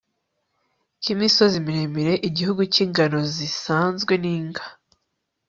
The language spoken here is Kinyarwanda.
k imisozi miremire igihugu cy ingano zisanzwe n inga